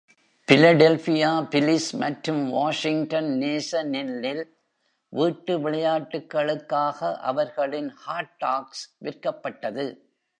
Philadelphia Phillies மற்றும் Washington நேஷனல்லில் வீட்டு விளையாட்டுகளுக்காக அவர்களின் ஹாட் டாக்ஸ் விற்கப்பட்டது